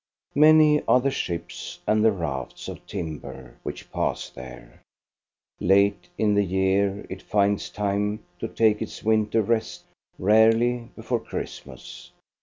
Many are the ships and the rafts of tim ber which pass there ; late in the year it finds time to take its winter rest, rarely before Christmas.